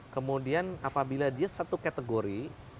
kemudian apabila dia satu kategori